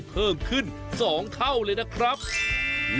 การเปลี่ยนแปลงในครั้งนั้นก็มาจากการไปเยี่ยมยาบที่จังหวัดก้าและสินใช่ไหมครับพี่รำไพ